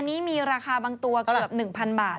อันนี้มีราคาบางตัวเกือบ๑๐๐๐บาท